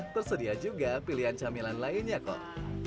tersedia juga pilihan camilan lainnya kok